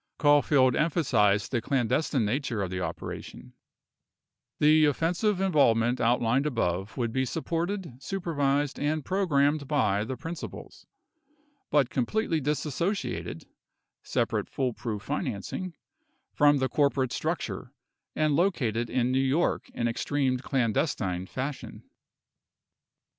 Caulifield emphasized the clandestine nature of the operation : The offensive involvement outline above would be sup ported, supervised and programed by the principals, but completely disassociated (separate foolproof financing) from the corporate structure and located in New York in extreme clandestine fashion.